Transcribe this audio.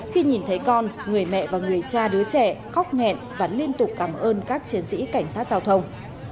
khi nhìn thấy con người mẹ và người cha đứa trẻ khóc nghẹn và liên tục cảm ơn các chiến sĩ cảnh sát giao thông